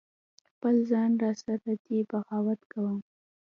خپل ځان را سره دی بغاوت کوم